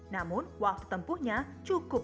namun waktu tempuhnya cukup